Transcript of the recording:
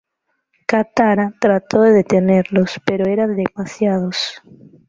Katara trató de detenerlos pero eran demasiados.